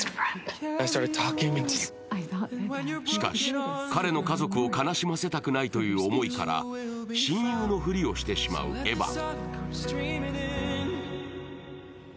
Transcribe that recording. しかし、彼の家族を悲しませたくないという思いから親友のふりをしてしまうエヴァン。